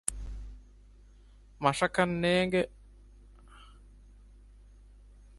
ކެއުމާއި ދުރުވެ މުޅި މީހާ އަށް ބޮޑެތި ބަދަލުތަކެއް ދިޔައީ އަންނަމުން